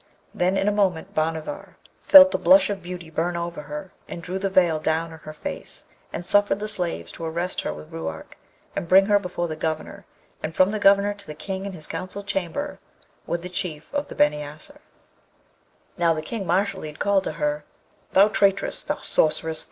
Then in a moment Bhanavar felt the blush of beauty burn over her, and drew the veil down on her face, and suffered the slaves to arrest her with Ruark, and bring her before the Governor, and from the Governor to the King in his council chamber, with the Chief of the Beni Asser. Now, the King Mashalleed called to her, 'Thou traitress! thou sorceress!